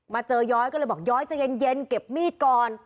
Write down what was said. เจอย้อยก็เลยบอกย้อยจะเย็นเก็บมีดก่อน